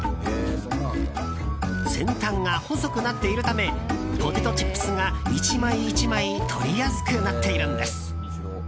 先端が細くなっているためポテトチップスが１枚１枚取りやすくなっているんです。